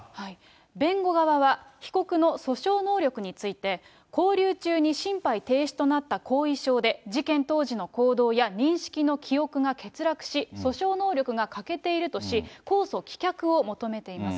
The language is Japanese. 弁護側は、被告の訴訟能力について、勾留中に心肺停止となった後遺症で、事件当時の行動や認識の記憶が欠落し、訴訟能力が欠けているとし、公訴棄却を求めています。